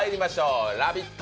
「ラヴィット！」